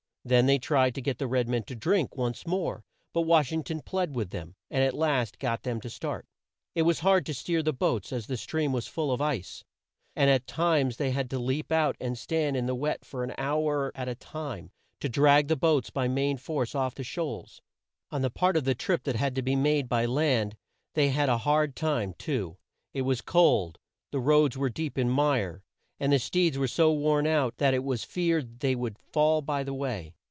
Then they tried to get the red men to drink once more, but Wash ing ton plead with them, and at last got them to start. It was hard to steer the boats, as the stream was full of ice, and at times they had to leap out and stand in the wet for half an hour at a time, to drag the boats by main force off the shoals. On the part of the trip that had to be made by land, they had a hard time too. It was cold, the roads were deep in mire, and the steeds were so worn out, that it was feared they would fall by the way.